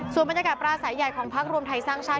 ส่วนบรรยากาศปลาสายใหญ่ของพักรวมไทยสร้างชาติ